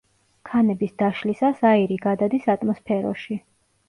ქანების დაშლისას აირი გადადის ატმოსფეროში.